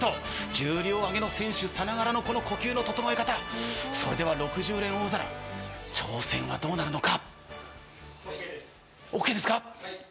重量挙げの選手さながらのこの呼吸の整え方、それでは、６０連大皿、挑戦はどうなるのか。